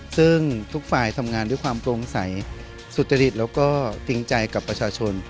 ซึ่งทุกฝ่ายทำงานด้วยความโปร่งใสสุจริตแล้วก็จริงใจกับประชาชน